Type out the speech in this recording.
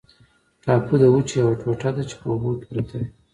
ټاپو د وچې یوه ټوټه ده چې په اوبو کې پرته وي.